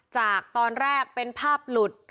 จากตอนแรกเป็นภาพหลุด